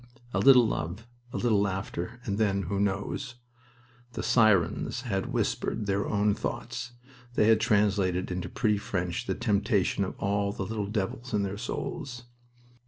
A little love, a little laughter, and then who knows? The sirens had whispered their own thoughts. They had translated into pretty French the temptation of all the little devils in their souls.